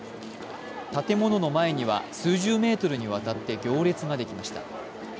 建物の前には数十メートルにわたって行列ができました。